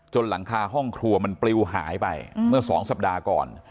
หลังคาห้องครัวมันปลิวหายไปเมื่อ๒สัปดาห์ก่อน